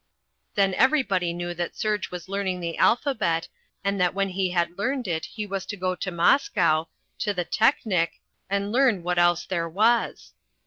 Then everybody knew that Serge was learning the alphabet, and that when he had learned it he was to go to Moscow, to the Teknik, and learn what else there was.